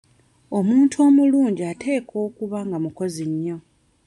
Omuntu omulungi ateekwa okuba nga mukozi nnyo.